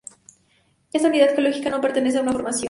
Esta unidad geológica no pertenece a una formación.